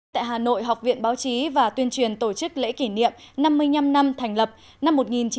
tại hà nội học viện báo chí và tuyên truyền tổ chức lễ kỷ niệm năm mươi năm năm thành lập năm một nghìn chín trăm sáu mươi hai hai nghìn một mươi bảy